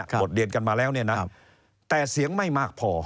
บทเรียนกันมาแล้วเนี่ยนะแต่เสียงไม่มากพอ